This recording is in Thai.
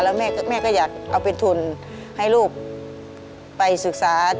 แล้วแม่ก็อยากเอาเป็นทุนให้ลูกไปศึกษา